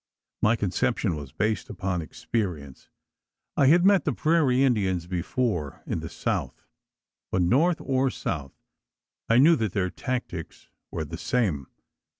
My conception was based upon experience. I had met the prairie Indians before in the south; but north or south, I knew that their tactics were the same.